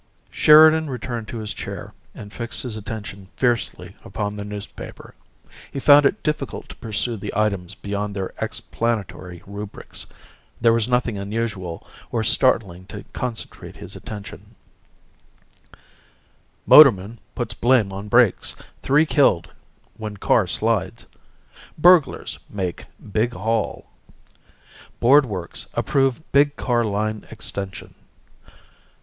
Sheridan returned to his chair and fixed his attention fiercely upon the newspaper. He found it difficult to pursue the items beyond their explanatory rubrics there was nothing unusual or startling to concentrate his attention: "Motorman Puts Blame on Brakes. Three Killed when Car Slides." "Burglars Make Big Haul." "Board Works Approve Big Car line Extension."